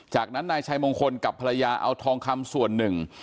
จากนั้นนายชัยมงคลกับภรรยาเอาทองคำส่วนหนึ่ง